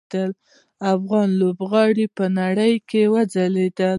افغان لوبغاړي په نړۍ کې ځلیږي.